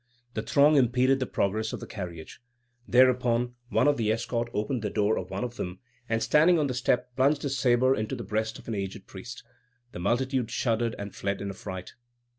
The throng impeded the progress of the carriages. Thereupon one of the escort opened the door of one of them, and standing on the step, plunged his sabre into the breast of an aged priest. The multitude shuddered and fled in affright.